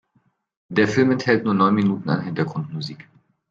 Der Film enthält nur neun Minuten an Hintergrundmusik.